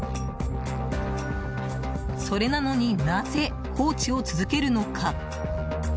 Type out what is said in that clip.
それなのになぜ放置を続けるのか。